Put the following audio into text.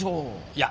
いや。